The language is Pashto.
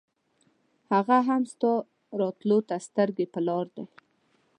هغه هم ستا راتلو ته سترګې پر لار دی.